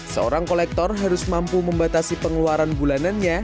seorang kolektor harus mampu membatasi pengeluaran bulanannya